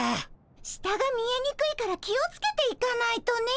下が見えにくいから気を付けて行かないとね。